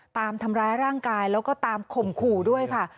ตามทำร้ายร่างกายแล้วก็ตามข่มขู่ด้วยค่ะ